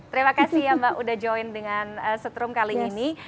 terima kasih ya mbak udah join dengan setrum kali ini